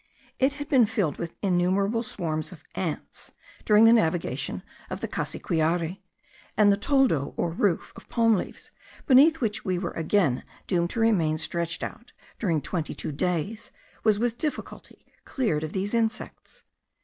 It had been filled with innumerable swarms of ants during the navigation of the Cassiquiare; and the toldo, or roof of palm leaves, beneath which we were again doomed to remain stretched out during twenty two days, was with difficulty cleared of these insects.